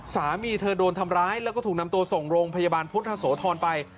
สามีเธอโดนทำร้ายแล้วก็ถูกนำตัวส่งโรงพยาบาลพุทธโสธรไป